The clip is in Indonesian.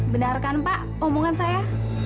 benarkan pak omongan saya